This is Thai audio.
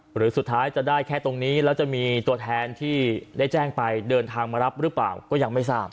หรือสุดท้ายจะได้แค่ตรงนี้แล้วจะมีตัวแทนที่ได้แจ้งไปเดินทางมารับหรือเปล่าก็ยังไม่ทราบ